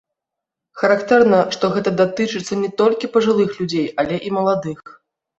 Характэрна, што гэта датычыцца не толькі пажылых людзей, але і маладых.